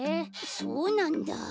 そうなんだ。